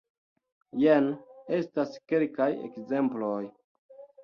Jen estas kelkaj ekzemploj.